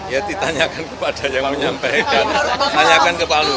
ya ditanyakan kepada yang menyampaikan tanyakan ke pak luhu